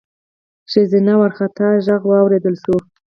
ښځينه وارخطا غږ واورېدل شو: